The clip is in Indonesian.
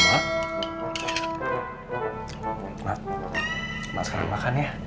mak emak harus kena makan ya